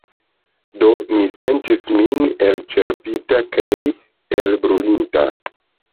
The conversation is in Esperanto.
Do mi sentis min elĉerpita kaj elbrulinta.